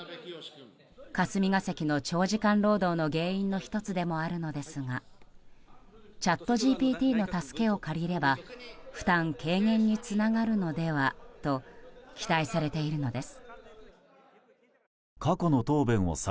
霞が関の長時間労働の原因の１つでもあるのですがチャットＧＰＴの助けを借りれば負担軽減につながるのではと期待されているのです。